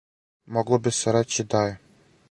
Могло би се рећи да је.